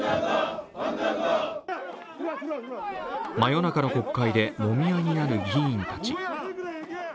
真夜中の国会でもみ合いになる議員たち。